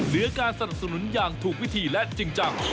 เหลือการสนับสนุนอย่างถูกวิธีและจริงจัง